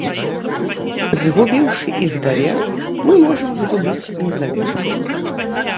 Згубіўшы іх давер, мы можам згубіць незалежнасць.